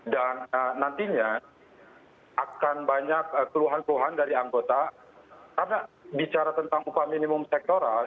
dan nantinya akan banyak keluhan keluhan dari anggota karena bicara tentang upah minimum sektoral